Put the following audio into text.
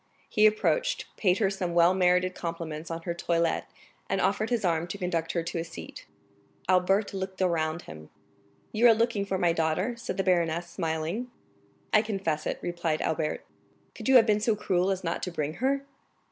He approached, paid her some well merited compliments on her toilet, and offered his arm to conduct her to a seat. Albert looked around him. "You are looking for my daughter?" said the baroness, smiling. "I confess it," replied Albert. "Could you have been so cruel as not to bring her?"